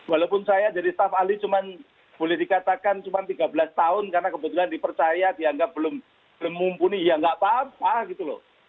walaupun saya jadi staff ahli cuma boleh dikatakan cuma tiga belas tahun karena kebetulan dipercaya dianggap belum mumpuni ya nggak apa apa gitu loh